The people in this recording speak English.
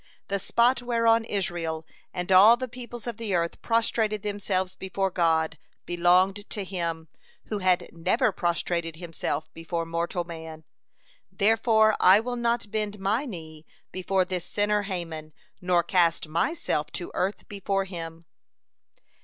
The spot whereon Israel and all the peoples of the earth prostrated themselves before God belonged to him who had never prostrated himself before mortal man. Therefore I will not bend my knee before this sinner Haman, nor cast myself to earth before him."